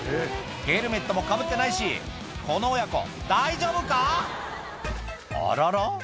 ヘルメットもかぶってないしこの親子大丈夫か⁉あらら？